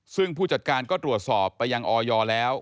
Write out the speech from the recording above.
ซึ่งผู้จัดการก็ตรวจสอบไปยังออยแล้ว